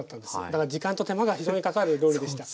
だから時間と手間が非常にかかる料理でした。